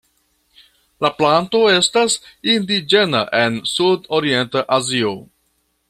La planto estas indiĝena en sud-orienta Azio.